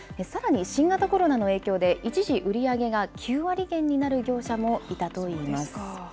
さらに新型コロナの影響で、一時、売り上げが９割減になる業者もいたといいます。